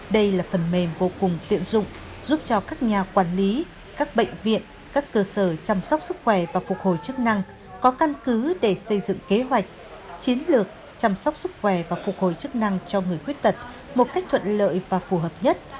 đây là phần mềm vô cùng tiện dụng giúp cho các nhà quản lý các bệnh viện các cơ sở chăm sóc sức khỏe và phục hồi chức năng có căn cứ để xây dựng kế hoạch chiến lược chăm sóc sức khỏe và phục hồi chức năng cho người khuyết tật một cách thuận lợi và phù hợp nhất